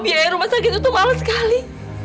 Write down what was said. biaya rumah sakit itu mahal sekali